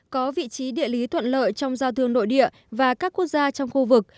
có vị trí địa lý thuận lợi trong giao thương nội địa và các quốc gia trong khu vực